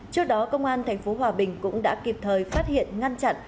trước đó công an thành phố hòa bình cũng đã kịp thời phát hiện ngăn chặn